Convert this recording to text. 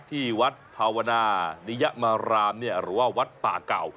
ที่วัดภาวนานิยมารามหรือว่าวัดป่าเก่า